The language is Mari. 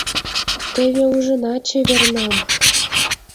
Теве ужына чевернам.